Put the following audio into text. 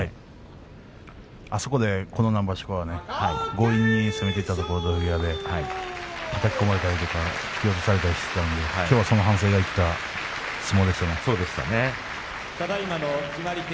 あそこでこの何場所か強引に攻めていったところで土俵際ではたき込まれたり突き落とされたりしていましたがその反省があった相撲でしたね。